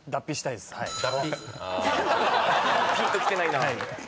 ぴんときてないな。